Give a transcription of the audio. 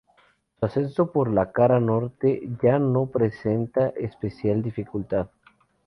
Su ascenso por la cara norte ya no presenta especial dificultad.